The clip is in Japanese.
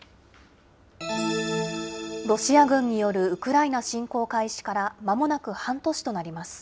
ロシア軍によるウクライナ侵攻開始からまもなく半年となります。